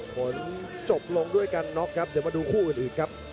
ผลจบลงด้วยกันน็อกครับเดี๋ยวมาดูคู่อื่นครับ